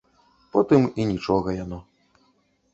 Потым і нічога яно.